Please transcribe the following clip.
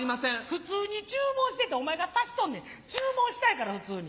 普通に注文してってお前がさしとんねん注文したいから普通に。